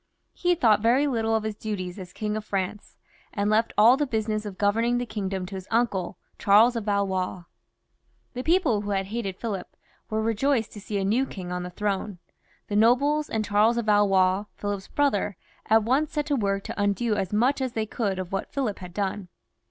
Bfe thought very little of his duties as King of France, and left all the business of governing the kingdom to his uncle, Charles of Valois. The people who had hated PhUip were rejoiced to see a new king on the throne; the nobles and Charles of Valois, Philip's brother, at once set to work to undo as much as they could of what Philip had done.